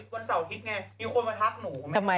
วันเสาร์อาทิตย์ไง